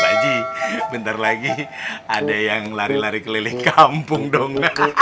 pak haji bentar lagi ada yang lari lari keleling kampung dong